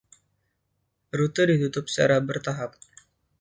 Rute ditutup secara bertahap.